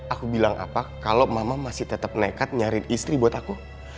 aku bilang apa kalau mama masih tetap nekat nyari istri buat aku